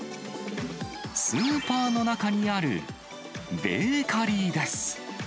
スーパーの中にあるベーカリーです。